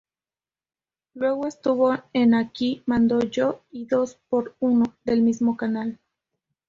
Luego estuvo en "Aquí Mando Yo" y "Dos por uno" del mismo canal.